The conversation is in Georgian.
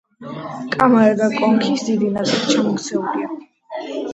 კამარა და კონქის დიდი ნაწილი ჩამოქცეულია.